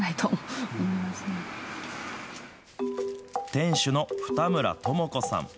店主の二村知子さん。